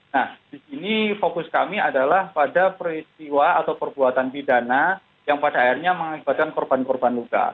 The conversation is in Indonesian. nah di sini fokus kami adalah pada peristiwa atau perbuatan pidana yang pada akhirnya mengakibatkan korban korban luka